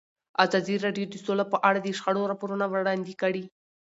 ازادي راډیو د سوله په اړه د شخړو راپورونه وړاندې کړي.